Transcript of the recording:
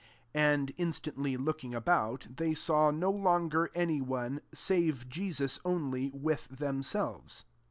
*' 8 And in stantly looking about, they saw no longer any one, save Jesus only, with themselves.